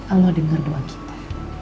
allah denger doa kita